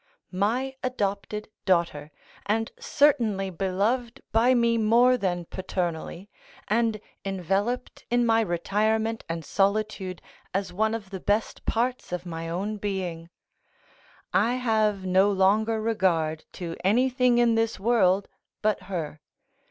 ] my adopted daughter; and certainly beloved by me more than paternally, and enveloped in my retirement and solitude as one of the best parts of my own being: I have no longer regard to anything in this world but her.